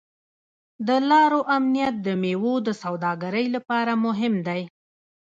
د لارو امنیت د میوو د سوداګرۍ لپاره مهم دی.